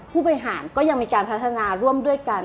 ผู้บริหารก็ยังมีการพัฒนาร่วมด้วยกัน